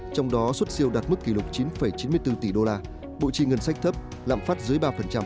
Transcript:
trong đó xuất siêu đạt mức kỷ lục chín chín mươi bốn tỷ đô la bộ trì ngân sách thấp lạm phát dưới ba